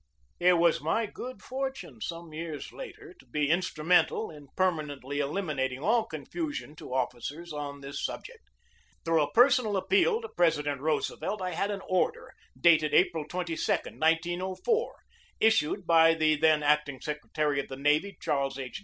It was my good fortune some years later to be instrumental in permanently eliminating all confu sion to officers on this subject. Through a personal appeal to President Roosevelt I had an order, dated April 22, 1904, issued by the then acting secretary of the navy, Charles H.